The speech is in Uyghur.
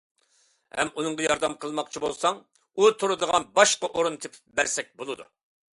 ھە، ئۇنىڭغا ياردەم قىلماقچى بولساڭ، ئۇ تۇرىدىغان باشقا ئورۇن تېپىپ بەرسەك بولىدۇ.